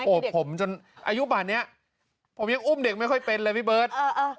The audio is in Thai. ผมจนอายุป่านนี้ผมยังอุ้มเด็กไม่ค่อยเป็นเลยพี่เบิร์ต